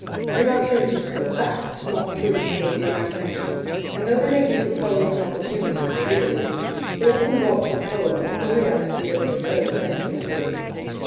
They are truths of fact, not truths of the imagination, and though they may give the poet an opportunity for realism, they often rob the poem of the reality that is so essential to it.